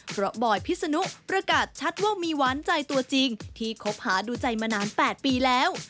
เพราะบอยพิษนุประกาศชัดว่ามีหวานใจตัวจริงที่คบหาดูใจมานาน๘ปีแล้ว